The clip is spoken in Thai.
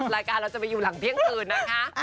รายการเราจะมากดูหลังเที่ยงก่อนนะคะ